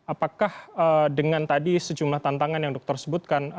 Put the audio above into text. apakah dengan tadi sejumlah tantangan yang dokter sebutkan